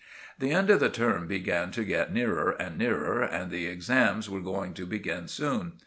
The end of the term began to get nearer and nearer, and the exams. were going to begin soon.